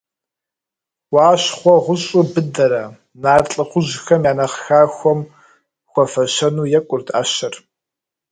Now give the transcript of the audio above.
Уащхъуэ гъущӏу быдэрэ, нарт лӏыхъужьхэм я нэхъ хахуэм хуэфэщэну екӏурт ӏэщэр.